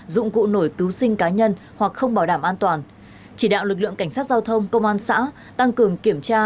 dụng cụ nổi cứu sinh cá nhân hoặc không bảo đảm an toàn chỉ đạo lực lượng cảnh sát giao thông công an xã tăng cường kiểm tra